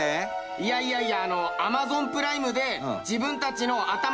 いやいやいや。